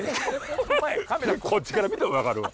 こっちから見ても分かるわ！